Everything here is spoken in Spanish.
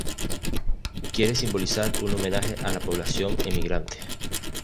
Quiere simbolizar un homenaje a la población emigrante.